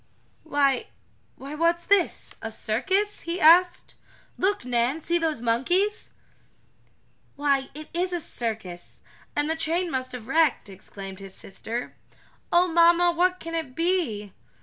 "Why why, what's this a circus?" he asked. "Look, Nan! See those monkeys!" "Why, it is a circus and the train must have been wrecked!" exclaimed his sister. "Oh mamma, what can it be?"